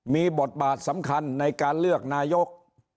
มีบทบาทสำคัญในการเลือกนายก